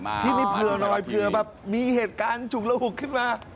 ที่นี่เผื่อหน่อยเผื่อแบบมีเหตุการณ์ฉุกระหุกขึ้นมา